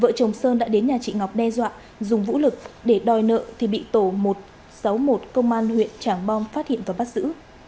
vợ chồng sơn đã đến nhà chị ngọc đe dọa dùng vũ lực để đòi nợ thì bị tổ một trăm sáu mươi một công an huyện trảng bom phát hiện và bắt giữ